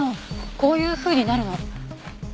こういうふうになるの。